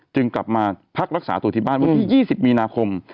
กลับมาพักรักษาตัวที่บ้านวันที่๒๐มีนาคม